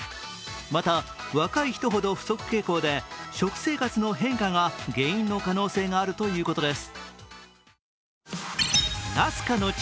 また、若い人ほど不足傾向で食生活の変化が原因の可能性があるということです。